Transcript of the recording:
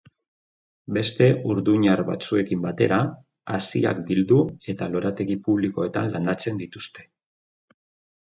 Beste urduñar batzuekin batera, haziak bildu eta lorategi publikoetan landatzen dituzte.